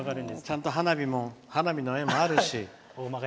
ちゃんと花火の絵もありますし。